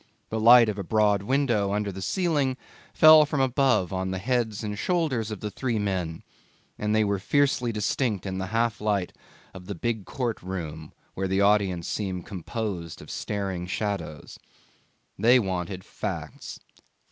The light of a broad window under the ceiling fell from above on the heads and shoulders of the three men, and they were fiercely distinct in the half light of the big court room where the audience seemed composed of staring shadows. They wanted facts.